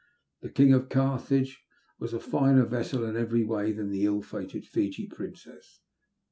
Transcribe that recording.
The King of Carthage was a finer vessel in every way than the ill fated Fiji Princeii.